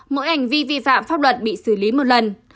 mỗi hành vi vi phạm pháp luật bị xử lý một lần